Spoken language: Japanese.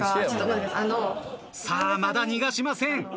さあまだ逃がしません。